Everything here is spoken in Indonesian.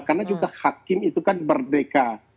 karena juga hakim itu kan berdeka